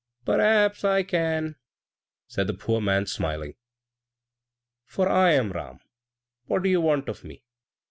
"Perhaps I can," said the poor man, smiling, "for I am Ram! What do you want of me?"